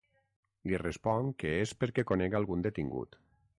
Li responc que és perquè conec algun detingut.